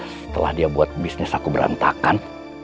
setelah dia buat bisnis aku berantakan